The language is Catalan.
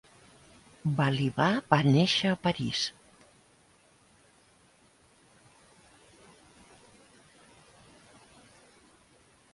Balibar va néixer a París.